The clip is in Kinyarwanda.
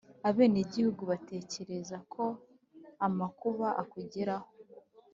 abenegihugu batekereza ko amakuba akugeraho